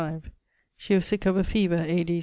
She was sick of a feaver A.D.